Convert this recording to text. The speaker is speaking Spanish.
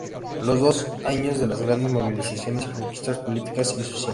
Son los años de las grandes movilizaciones y conquistas políticas y sociales.